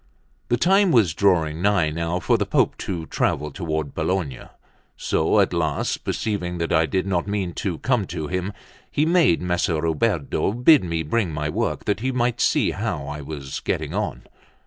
The time was drawing nigh now for the Pope to travel toward Bologna; so at last, perceiving that I did not mean to come to him, he made Messer Ruberto bid me bring my work, that he might see how I was getting on.